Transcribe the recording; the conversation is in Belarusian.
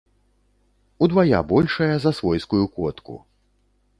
Удвая большая за свойскую котку.